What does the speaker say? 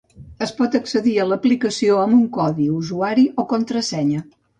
Es pot accedir a l’aplicació amb un codi usuari o contrasenya.